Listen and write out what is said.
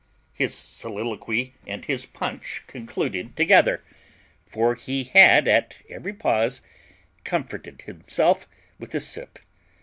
His soliloquy and his punch concluded together; for he had at every pause comforted himself with a sip.